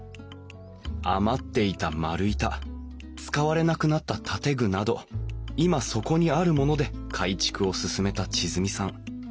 余っていた丸板使われなくなった建具など今そこにあるもので改築を進めた千純さん。